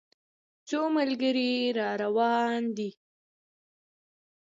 څو ملګري را روان دي.